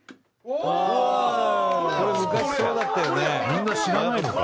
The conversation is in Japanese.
みんな知らないのか